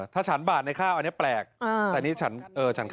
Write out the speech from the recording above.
ถ้าฉันข้าวในบาทอันนี้แปลก